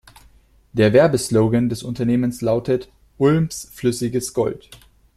Der Werbeslogan des Unternehmens lautet „Ulms flüssiges Gold“.